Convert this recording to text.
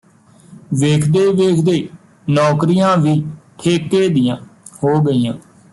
ਵੇਖਦੇ ਵੇਖਦੇ ਨੌਕਰੀਆਂ ਵੀ ਠੇਕੇ ਦੀਆਂ ਹੋ ਗਈਆਂ